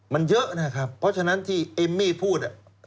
มันเยอะนะครับเพราะฉะนั้นที่เอมมี่พูด